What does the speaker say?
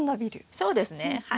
そうですねはい。